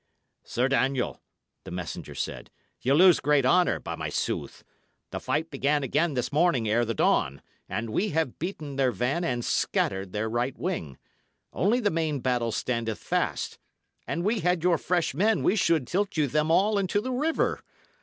"Sir Daniel," the messenger said, "ye lose great honour, by my sooth! The fight began again this morning ere the dawn, and we have beaten their van and scattered their right wing. Only the main battle standeth fast. An we had your fresh men, we should tilt you them all into the river.